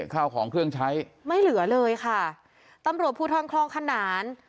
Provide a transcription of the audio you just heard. ข้าวของเครื่องใช้ไม่เหลือเลยค่ะตำรวจภูทรคลองขนาน